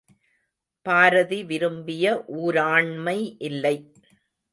பாரதி விரும்பிய ஊராண்மை இல்லை!